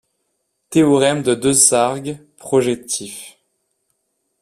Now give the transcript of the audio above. Théorème de Desargues projectif.